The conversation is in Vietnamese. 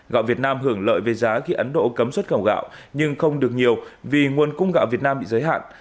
gạo việt nam hưởng lợi về giá khi ấn độ cấm xuất khẩu gạo nhưng không được nhiều vì nguồn cung gạo việt nam bị giới hạn